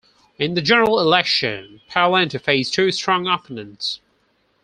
In the general election, Pawlenty faced two strong opponents.